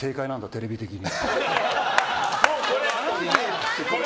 テレビ的に。